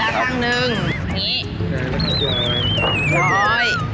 หลอดได้ข้างหนึ่งอย่างนี้